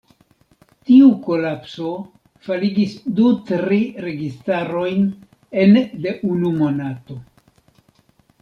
Tiu kolapso faligis du-tri registarojn ene de unu monato.